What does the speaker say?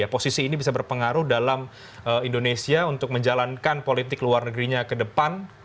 posisi ini bisa berpengaruh dalam indonesia untuk menjalankan politik luar negerinya ke depan